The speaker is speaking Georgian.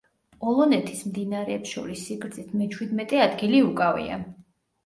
პოლონეთის მდინარეებს შორის სიგრძით მეჩვიდმეტე ადგილი უკავია.